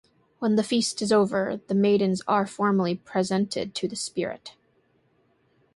When the feast is over, the maidens are formally presented to the spirit.